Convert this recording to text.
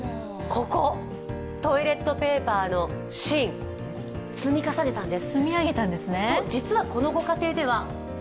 トイレットペーパーの芯積み重ねたんです。